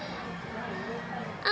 あ！